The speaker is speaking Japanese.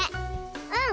うん！